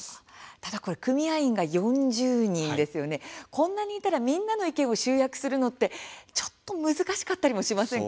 ただ組合員が４０人ですよね、こんなにいたらみんなの意見を集約するのってちょっと難しかったりしませんか。